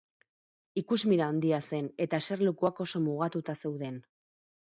Ikusmira handia zen eta eserlekuak oso mugatuta zeuden.